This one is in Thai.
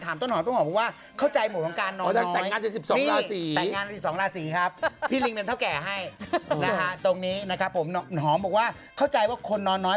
ถามต้นหอมต้นหอมบอกว่าเข้าใจหมวกล้องกานนอนน้อย